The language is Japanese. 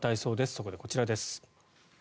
そこでこちらです。